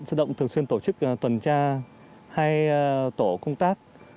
sự động thường xuyên tổ chức tuần tra hai tổ công tác